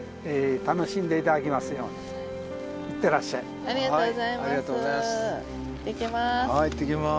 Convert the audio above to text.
ありがとうございます。